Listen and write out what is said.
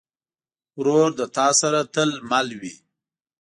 ورور له تا سره تل مل وي.